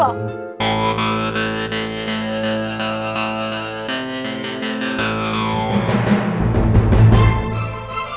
sampai jumpa lagi